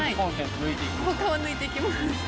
抜いていきます。